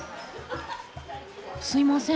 すいません